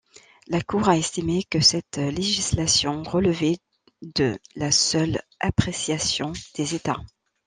La Cour a estimé que cette législation relevait de la seule appréciation des États.